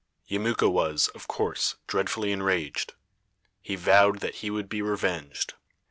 Yemuka was, of course, dreadfully enraged. He vowed that he would be revenged.